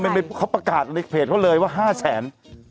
ก๊อเมนท์เขาประกาศในเพจเค้าเลยว่า๕แสน